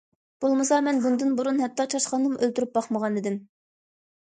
بولمىسا مەن بۇندىن ئۇرۇن ھەتتا چاشقاننىمۇ ئۆلتۈرۈپ باقمىغانىدىم.